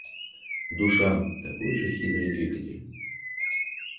Душа – такой же хитрый двигатель.